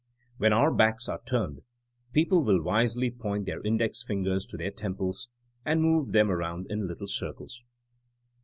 '' When our backs are turned people will wisely point their index fin gers to their temples and move them around in little circles.